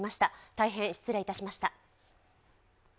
大変失礼いたしました。